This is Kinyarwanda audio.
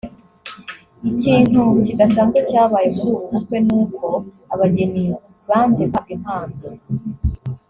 Ikintu kidasanzwe cyabaye muri ubu bukwe ni uko abageni banze guhabwa impano